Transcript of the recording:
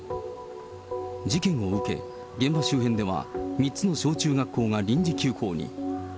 事件を受け、現場周辺では３つの小中学校が臨時休校に。